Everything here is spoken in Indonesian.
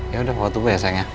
yaudah bawa tubuh ya sayang